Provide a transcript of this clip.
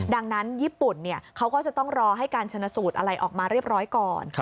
ดังนั้นญี่ปุ่นเขาก็จะต้องรอให้การชนสูตรอะไรออกมาเรียบร้อยก่อน